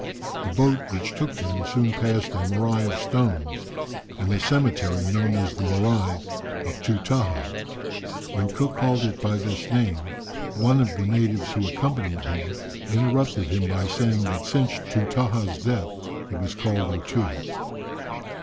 The boat which took them soon passed a "moraï" of stones, and a cemetery known as the "morai of Tootahah." When Cook called it by this name, one of the natives who accompanied him interrupted him by saying that since Tootahah's death it was called O Too.